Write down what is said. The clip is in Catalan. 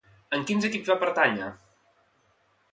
En quins equips va pertànyer?